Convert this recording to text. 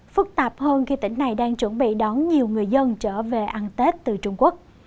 phức tạp hơn khi tỉnh này đang chuẩn bị đón nhiều người dân trở về ăn tết từ trung quốc